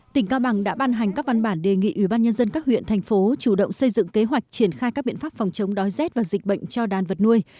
tỉnh cao bằng đã ban hành các văn bản đề nghị ủy ban nhân dân các huyện thành phố chủ động xây dựng kế hoạch triển khai các biện pháp phòng chống đói rét và dịch bệnh cho đàn vật nuôi